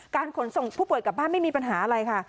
ขนส่งผู้ป่วยกลับบ้านไม่มีปัญหาอะไรค่ะ